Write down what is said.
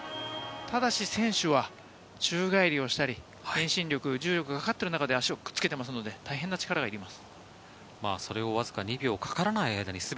ただし選手は宙返りをしたり、遠心力、重力がかかっている中で、足をくっつけているので、かなりの力がいります。